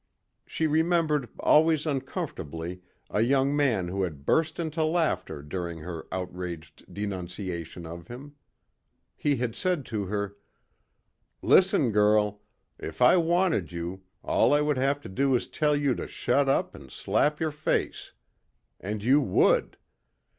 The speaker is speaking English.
She remembered always uncomfortably a young man who had burst into laughter during her outraged denunciation of him. He had said to her. "Listen, girl. If I wanted you, all I would have to do is tell you to shut up and slap your face. And you would.